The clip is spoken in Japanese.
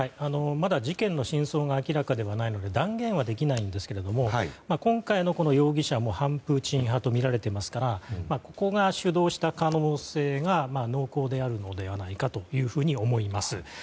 まだ事件の真相が明らかではないので断言はできないんですが今回の容疑者も反プーチン派と見られていますからここが主導した可能性が濃厚であるのではと思います。